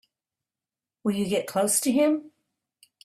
Will you get close to him?